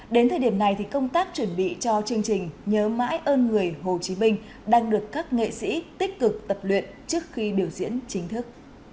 đến thời điểm này thì công tác chuẩn bị cho chương trình nhớ mãi ơn người hồ chí minh đang được các nghệ sĩ tích cực tập luyện trước khi biểu diễn chính thức